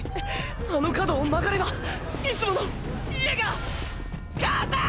あの角を曲がればいつもの家が母さん！